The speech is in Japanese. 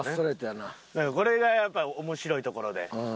これがやっぱ面白いところで。